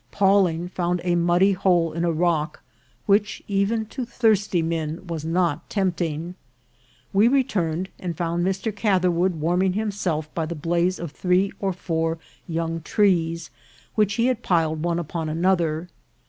Pawling found a muddy hole in a rock, which, even to thirsty men, was not tempting. We returned, and THE BIVOUAC. 247 found Mr. Catherwood warming himself by the blaze of three or four young trees, which he had piled one upon another.